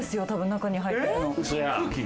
中に入ってるの。